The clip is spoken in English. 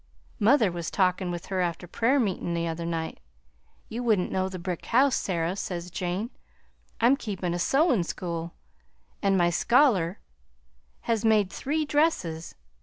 Mother was talkin' with her after prayer meetin' the other night. 'You wouldn't know the brick house, Sarah,' says Jane. 'I'm keepin' a sewin' school, an' my scholar has made three dresses.